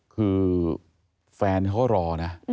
คือแฟนเขาก็รอนะ